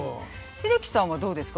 英樹さんはどうですか？